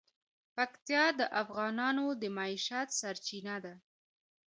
پکتیا د افغانانو د معیشت سرچینه ده.